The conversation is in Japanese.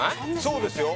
そうですよ